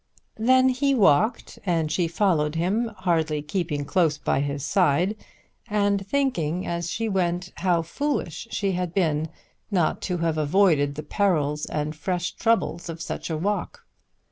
Then he walked and she followed him, hardly keeping close by his side, and thinking as she went how foolish she had been not to have avoided the perils and fresh troubles of such a walk.